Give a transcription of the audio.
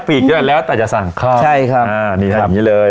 ปีกได้แล้วแต่จะสั่งครอบใช่ครับอ่านี่ครับอย่างงี้เลย